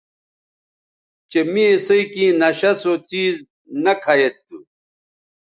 چہء می اِسئ کیں نشہ سو څیز نہ کھہ ید تھو